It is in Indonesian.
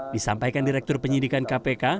disampaikan direktur penyelidikan kpk